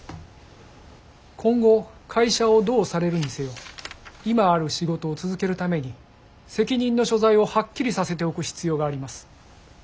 今後会社をどうされるにせよ今ある仕事を続けるために責任の所在をはっきりさせておく必要があります。